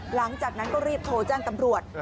หลังจากนั้นก็รีบโทรแจ้งตำรวจ